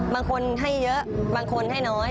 บางคนให้เยอะบางคนให้น้อย